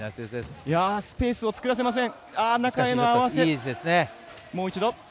スペースをつくらせません。